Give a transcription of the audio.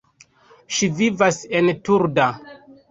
Ŝi vivas en Turda.